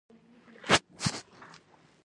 دوی د سړکونو او پټلیو د پاسه الوتلو سره بلد دي